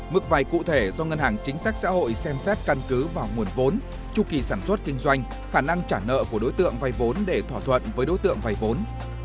mức vay cụ thể do ngân hàng chính sách xã hội xem xét căn cứ vào nguồn vốn tru kỳ sản xuất kinh doanh khả năng trả nợ của đối tượng vay vốn để thỏa thuận với đối tượng vay vốn